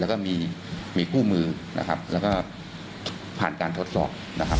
แล้วก็มีคู่มือแล้วก็ผ่านการทดสอบ